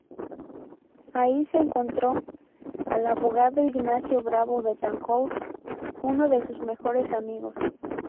Ahí se encontró al abogado Ignacio Bravo Betancourt, uno de sus mejores amigos.